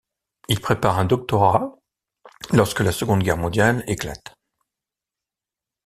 Il prépare un doctorat lorsque la Seconde Guerre mondiale éclate.